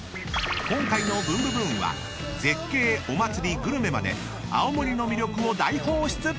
［今回の『ブンブブーン！』は絶景お祭りグルメまで青森の魅力を大放出！］